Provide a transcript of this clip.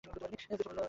তোমার কাছেই যাচ্ছিলাম।